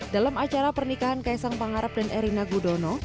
dalam acara pernikahan kaisang pangarap dan erina gudono